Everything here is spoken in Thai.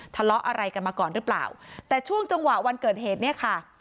ทะเลาะอะไรกันมาก่อนหรือเปล่าแต่ช่วงจังหวะวันเกิดเหตุเนี่ยค่ะ